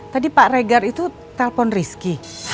tadi pak regar itu telpon rizky